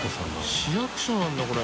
市役所なんだこれ。